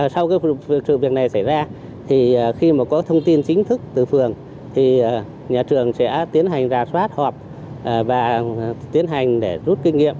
sau việc này xảy ra khi có thông tin chính thức từ phường nhà trường sẽ tiến hành ra soát họp và tiến hành để rút kinh nghiệm